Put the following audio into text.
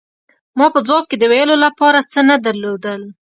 ما په ځواب کې د ویلو له پاره څه نه درلودل.